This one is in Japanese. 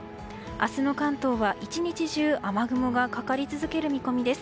明日の関東は１日中雨雲がかかり続ける見込みです。